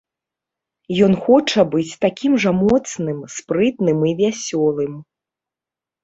Ён хоча быць такім жа моцным, спрытным і вясёлым.